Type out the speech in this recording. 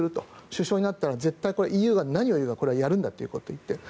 首相になったら絶対にＥＵが何を言おうがやるんだということを言っている。